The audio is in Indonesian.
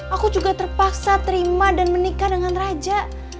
aku juga terpaksa terima dan menikah dengan raja